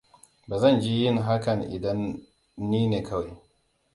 Bazan ki yin hakan idan nine Kai.